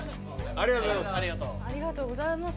ありがとうございます。